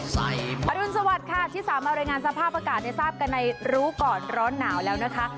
อรุณสวัสดิ์ค่ะที่สามารถรายงานสภาพอากาศได้ทราบกันในรู้ก่อนร้อนหนาวแล้วนะคะ